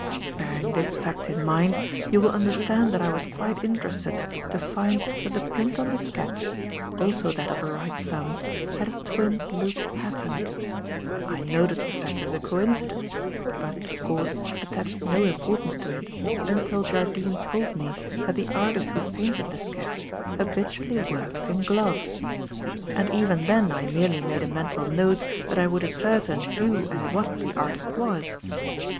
"Bearing this fact in mind, you will understand that I was quite interested to find that the print on the sketch also that of a right thumb had a twinned loop pattern. I noted the fact as a coincidence, but, of course, attached no importance to it until Jardine told me that the artist who painted the sketch habitually worked in gloves; and even then I merely made a mental note that I would ascertain who and what the artist was.